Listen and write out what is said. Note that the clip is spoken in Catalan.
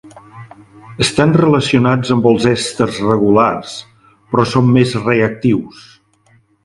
Estan relacionats amb els èsters regulars, però són més reactius.